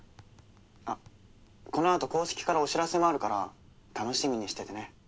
あっこのあと公式からお知らせもあるから楽しみにしててね。